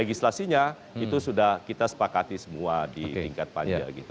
itu sudah kita sepakati semua di tingkat pan